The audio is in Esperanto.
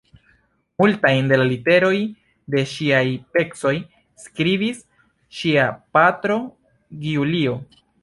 Multajn de la literoj de ŝiaj pecoj skribis ŝia patro Giulio.